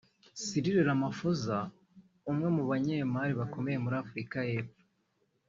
Cyril Ramaphosa umwe mu banyemari bakomeye muri Afurika y’Epfo